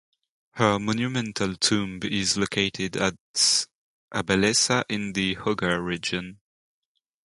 Her monumental tomb is located at Abalessa in the Hoggar region.